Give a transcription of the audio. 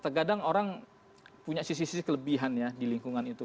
terkadang orang punya sisi sisi kelebihan ya di lingkungan itu